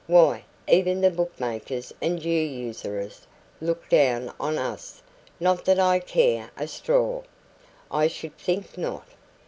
Why, even the bookmakers and Jew usurers look down on us! Not that I care a straw " "I should think not!"